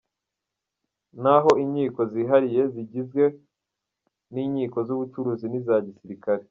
Na ho inkiko zihariye zigizwe n’Inkiko z’Ubucuruzi n’iza Gisirikare.